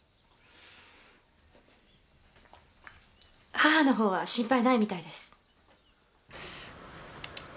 母の方は心配ないみたいです。